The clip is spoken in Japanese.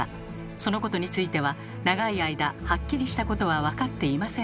そのことについては長い間はっきりしたことは分かっていませんでした。